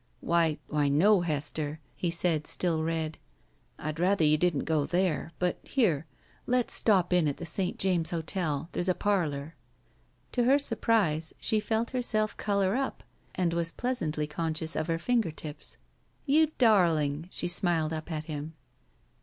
''Why— why, no, Hester," he said, still red. "I'd rather you didn't go there. But here. Let's stop in at the St. James Hotel. There's a parlor." To her surprise, she felt herself color up and was pleasantly conscious of her finger tips. "You darling!" She smiled up at him.